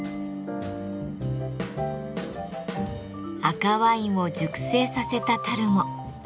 赤ワインを熟成させた樽も。